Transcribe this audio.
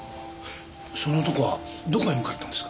その男はどこへ向かったんですか？